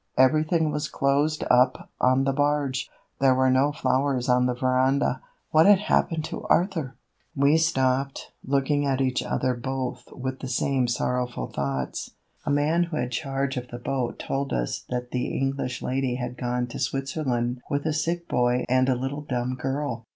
Everything was closed up on the barge. There were no flowers on the veranda. What had happened to Arthur? We stopped, looking at each other both with the same sorrowful thoughts. A man who had charge of the boat told us that the English lady had gone to Switzerland with a sick boy and a little dumb girl.